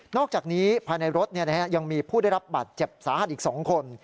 อกจากนี้ภายในรถยังมีผู้ได้รับบาดเจ็บสาหัสอีก๒คน